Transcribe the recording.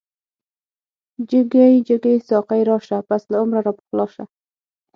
جگی جگی ساقی راشه، پس له عمره را پخلاشه